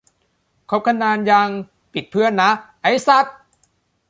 คบกันนานยัง ปิดเพื่อนนะ ไอ้สัด